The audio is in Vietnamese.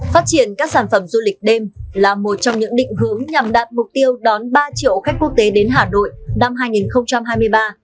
phát triển các sản phẩm du lịch đêm là một trong những định hướng nhằm đạt mục tiêu đón ba triệu khách quốc tế đến hà nội năm hai nghìn hai mươi ba